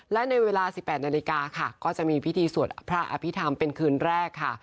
และในเวลา๑๘นาฬิกาค่ะก็จะมีพิธีสวดพระอภิษฐรรมเป็นคืนแรกค่ะ